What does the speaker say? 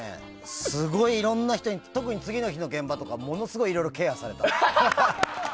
すごいいろんな人に特に次の日の現場とかものすごい、いろいろケアされた。